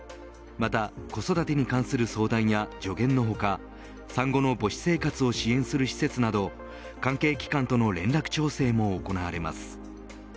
また子育てに関する相談や助言の他産後の母子生活を支援する施設など関係機関との連絡調整も行われます。